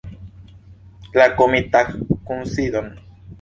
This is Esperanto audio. La komitatkunsidon!